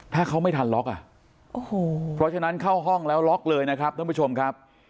ถ้าเขาไม่ทันล็อกอ่ะโอ้โหเพราะฉะนั้นเข้าห้องแล้วล็อกเลยนะครับท่านผู้ชมครับ